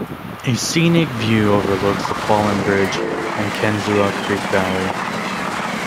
A scenic view overlooks the fallen bridge and Kinzua Creek Valley.